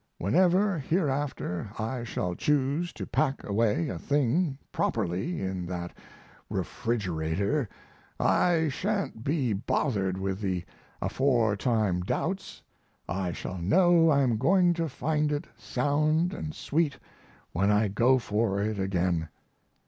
Whenever hereafter I shall choose to pack away a thing properly in that refrigerator I sha'n't be bothered with the aforetime doubts; I shall know I'm going to find it sound and sweet when I go for it again.